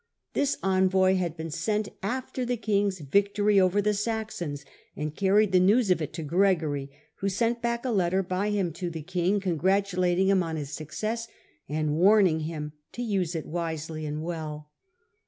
This envoy had been sent after the king's victory over the Saxons, and carried the news of it to Gregory, who sent back a letter by him to the king, congratulating him on his success, and warning him to use it wisely and well.